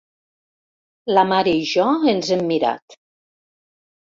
La mare i jo ens hem mirat.